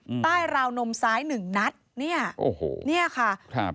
ใต้ราวนมซ้ายหนึ่งนัดเนี้ยโอ้โหเนี้ยค่ะครับ